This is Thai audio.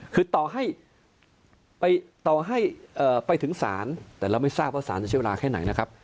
คือต่อให้ไปต่อให้ไปถึงศาลแต่เราไม่ทราบว่าสารจะใช้เวลาแค่ไหนนะครับ